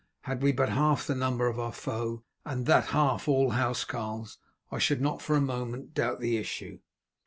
Had we but half the number of our foe, and that half all housecarls, I should not for a moment doubt the issue."